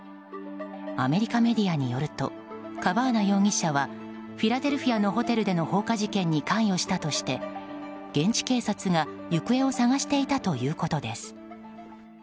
アメリカメディアによるとカバーナ容疑者はフィラデルフィアのホテルでの放火事件に関与したとして現地警察が行方を捜していたということです。